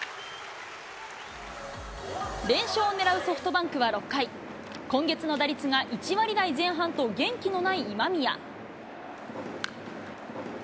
連勝をねらうソフトバンクは、６回、今月の打率が１割台前半と元気のない今宮。